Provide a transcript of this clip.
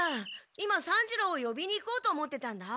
今三治郎をよびに行こうと思ってたんだ。